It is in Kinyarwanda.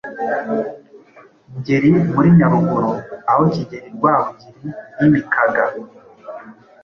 Ngeli muri Nyaruguru, aho Kigeri Rwabugili yimikaga